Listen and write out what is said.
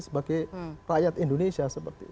sebagai rakyat indonesia